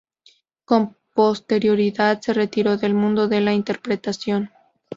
Con posterioridad se retiró del mundo de la interpretación.